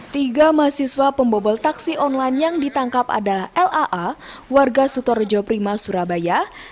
tiga mahasiswa pembobol taksi online yang ditangkap adalah laa warga sutorejo prima surabaya